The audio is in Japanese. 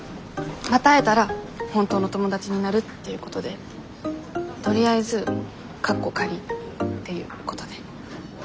また会えたら本当の友達になるっていうことでとりあえずっていうことで。